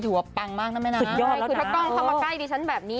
ถือว่าปังมากนะแม่น้าสุดยอดแล้วนะถ้ากล้องเข้ามาใกล้ดีชั้นแบบนี้